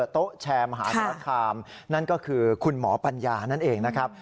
โต๊ะแชร์มหาสารคามนั่นก็คือคุณหมอปัญญานั่นเองนะครับ